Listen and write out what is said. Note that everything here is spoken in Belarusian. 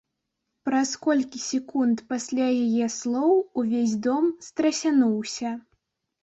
Праз колькі секунд пасля яе слоў увесь дом страсянуўся.